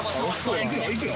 いくよ？